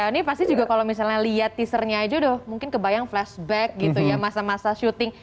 ini pasti juga kalau misalnya lihat teasernya aja deh mungkin kebayang flashback gitu ya masa masa syuting